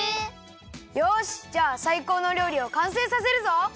よしじゃあさいこうのりょうりをかんせいさせるぞ！